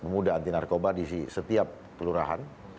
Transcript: pemuda anti narkoba di setiap kelurahan